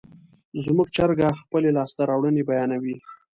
زموږ چرګه خپلې لاسته راوړنې بیانوي.